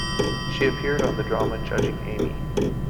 She appeared on the drama "Judging Amy".